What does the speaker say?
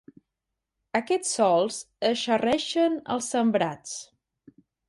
Aquests sols eixarreeixen els sembrats.